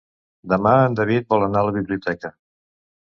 Demà en David vol anar a la biblioteca.